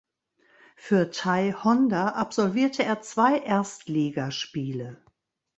Für Thai Honda absolvierte er zwei Erstligaspiele.